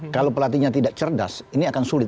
kalau pelatihnya tidak cerdas ini akan sulit